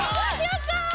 やったー！